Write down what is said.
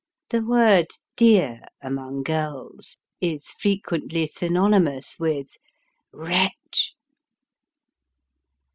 (The word " dear " among girls is frequently synonymous with " wretch.")